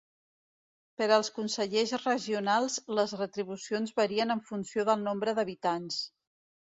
Per als consellers regionals, les retribucions varien en funció del nombre d'habitants.